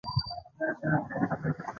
د ورننوتو لاره یې ختیځ اړخ کې ده.